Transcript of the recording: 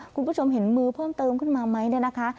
คุณผู้ชมเห็นมือเพิ่มเติมขึ้นมาไหมเนี่ยนะคะ